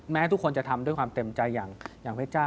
ทุกคนจะทำด้วยความเต็มใจอย่างพระเจ้า